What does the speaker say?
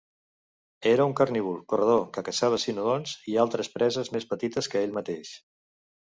Era un carnívor corredor que caçava cinodonts i altres preses més petites que ell mateix.